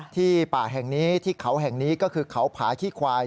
ป่าแห่งนี้ที่เขาแห่งนี้ก็คือเขาผาขี้ควาย